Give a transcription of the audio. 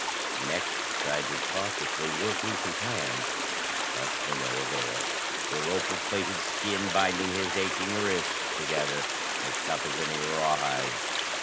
He next tried to cautiously work loose his hands, but to no avail. The rope of plaited skin binding his aching wrists together was tough as any rawhide.